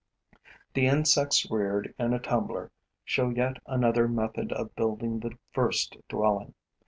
The insects reared in a tumbler show yet another method of building the first dwelling.